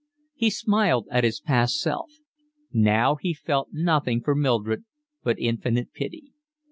He smiled at his past self. Now he felt nothing for Mildred but infinite pity.